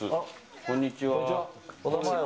こんにちは。